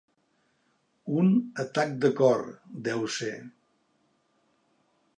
Un atac de cor, deu ser.